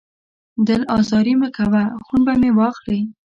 دل ازاري مه کوه، خون به مې واخلې